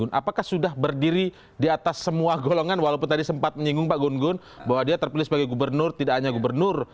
apakah sudah berdiri di atas semua golongan walaupun tadi sempat menyinggung pak gun gun bahwa dia terpilih sebagai gubernur tidak hanya gubernur